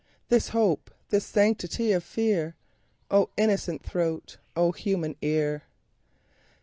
This hope, this sanctity of fear?O innocent throat! O human ear!